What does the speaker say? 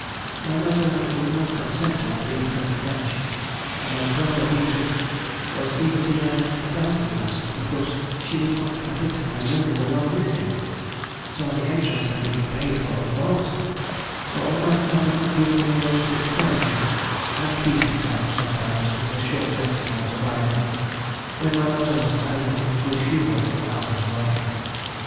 My mother would not consent to my being taught French, and my brother Dietrich was even denied a dancing master, because she would not permit my learning along with him, though the entrance had been paid for us both; so all my father could do for me was to indulge me (and please himself) sometimes with a short lesson on the violin, when my mother was either in good humour or out of the way.